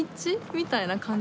みたいな感じ